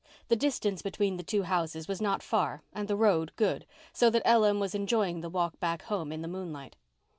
The distance between the two houses was not far and the road good, so that Ellen was enjoying the walk back home in the moonlight.